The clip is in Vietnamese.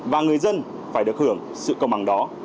và người dân phải được hưởng sự công bằng đó